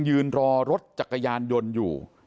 ยืนรอรถจักรยานยนต์อยู่